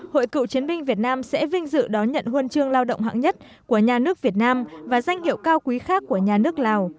hội cựu chiến binh việt nam sẽ vinh dự đón nhận huân chương lao động hạng nhất của nhà nước việt nam và danh hiệu cao quý khác của nhà nước lào